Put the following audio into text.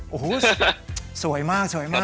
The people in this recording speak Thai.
โอ้โหสวยมากครับผม